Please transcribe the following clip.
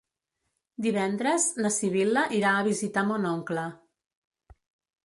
Divendres na Sibil·la irà a visitar mon oncle.